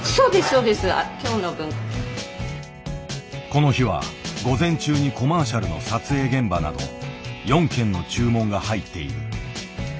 この日は午前中にコマーシャルの撮影現場など４件の注文が入っている。